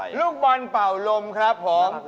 ลูกบอลเป่าลมครับผม